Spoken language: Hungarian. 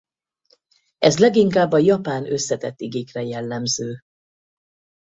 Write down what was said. Ez leginkább a japán összetett igékre jellemző.